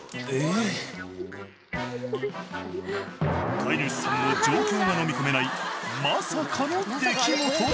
飼い主さんも状況がのみ込めないまさかの出来事でした。